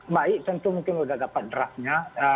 mbak iyi tentu mungkin sudah dapat draftnya